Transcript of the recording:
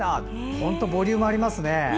本当ボリュームありますね。